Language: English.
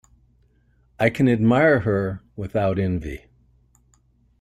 I can admire her without envy.